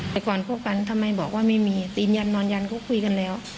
แต่ก่อนคบกันทำไมบอกว่าไม่มีตีนยันนอนยันเขาคุยกันแล้ว